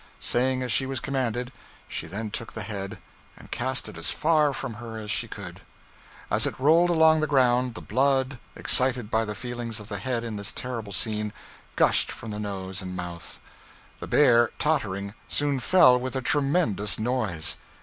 Saying as she was commanded, she then took the head, and cast it as far from her as she could. As it rolled along the ground, the blood, excited by the feelings of the head in this terrible scene, gushed from the nose and mouth. The bear, tottering, soon fell with a tremendous noise.